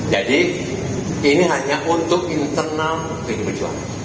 jadi ini hanya untuk internal pdip